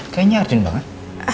kayaknya arjun banget